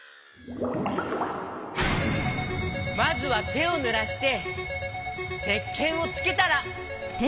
まずはてをぬらしてせっけんをつけたら。